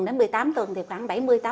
đến một mươi tám tuần thì khoảng bảy mươi tám